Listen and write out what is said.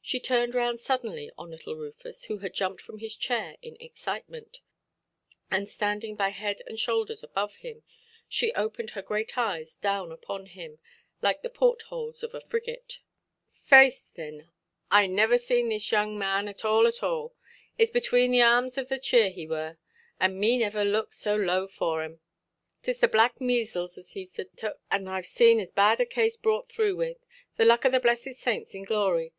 She turned round suddenly on little Rufus, who had jumped from his chair in excitement, and standing by head and shoulders above him, she opened her great eyes down upon him, like the port–holes of a frigate. "Faix, thin, and I niver seen this young man at all at all. Itʼs between the airms of the cheer he were, and me niver to look so low for him! 'Tis the black measles as heʼve tuk, and Iʼve seen as bad a case brought through with. The luck oʼ the blessed saints in glory!